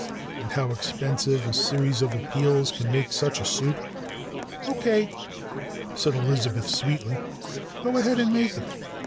And how expensive a series of appeals can make such a suit?" "Okay," said Elizabeth sweetly. "Go ahead and make it.